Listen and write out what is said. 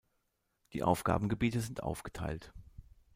Die Aufgabengebiete sind aufgeteilt.